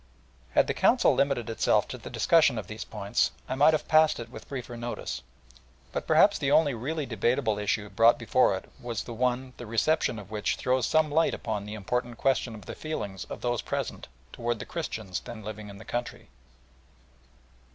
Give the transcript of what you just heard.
Had the Council limited itself to the discussion of these points I might have passed it with briefer notice; but perhaps the only really debatable issue brought before it was one the reception of which throws some light upon the important question of the feelings of those present towards the Christians then living in the country.